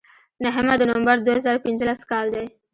نهمه د نومبر دوه زره پینځلس کال دی.